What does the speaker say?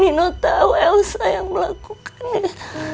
nino tau elsa yang melakukannya